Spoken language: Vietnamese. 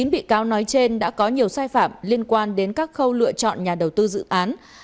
chín bị cáo nói trên đã có nhiều sai phạm liên quan đến các khâu lựa chọn nhà đầu tư dự án